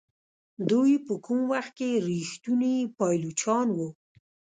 دوی په کوم وخت کې ریښتوني پایلوچان وو.